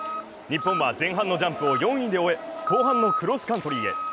日本は前半のジャンプを４位で終え、後半のクロスカントリーへ。